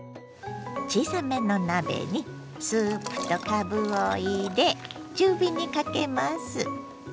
小さめの鍋にスープとかぶを入れ中火にかけます。